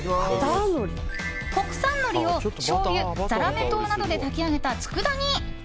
国産のりをしょうゆ、ザラメ糖などで炊き上げた、つくだ煮。